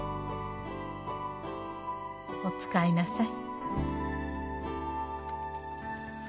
お使いなさい。